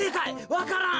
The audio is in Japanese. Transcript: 「わからん」。